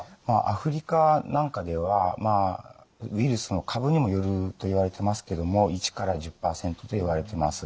アフリカなんかではウイルスの株にもよるといわれてますけども１１０％といわれてます。